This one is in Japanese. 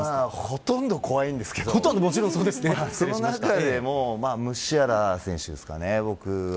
ほとんど怖いんですけどその中でもムシアラ選手ですかね。